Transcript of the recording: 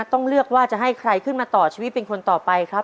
ต้องเลือกว่าจะให้ใครขึ้นมาต่อชีวิตเป็นคนต่อไปครับ